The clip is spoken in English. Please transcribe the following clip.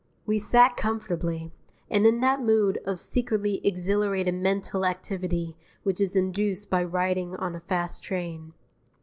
We sat comfortably, and in that mood of secretly exhilarated mental activity which is induced by riding on a fast train.